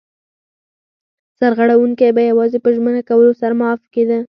سرغړونکی به یوازې په ژمنه کولو سره معاف کېده.